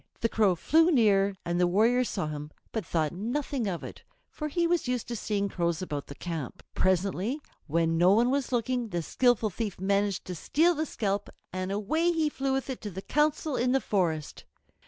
The Crow flew near, and the warrior saw him, but thought nothing of it, for he was used to seeing crows about the camp. Presently when no one was looking the skillful thief managed to steal the scalp, and away he flew with it to the Council in the forest.